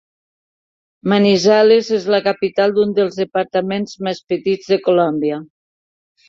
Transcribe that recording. Manizales és la capital d'un dels departaments més petits de Colòmbia.